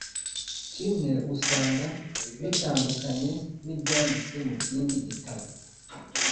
kimwe usanga bitandukanye n’ibyanditse mu kindi gitabo.